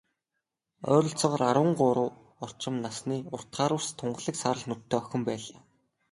Ойролцоогоор арван гурав орчим насны, урт хар үс, тунгалаг саарал нүдтэй охин байлаа.